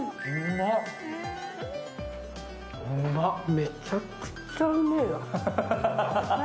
めちゃくちゃうめぇや。